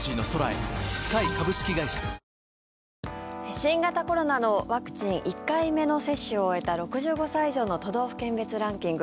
新型コロナのワクチン１回目の接種を終えた６５歳以上の都道府県別ランキング。